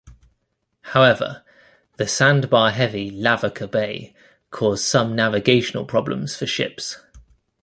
However, the sandbar-heavy Lavaca Bay caused some navigational problems for ships.